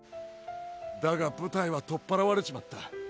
だが舞台は取っ払われちまった。